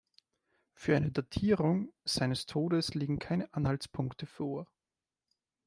Für eine Datierung seines Todes liegen keine Anhaltspunkte vor.